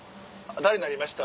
「誰になりました？」